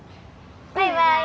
バイバーイ！